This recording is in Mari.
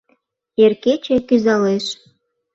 Эр кече кӱзалеш -